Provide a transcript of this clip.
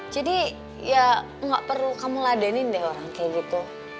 jadi ya nggak perlu kamu ladenin deh orang kayak gitu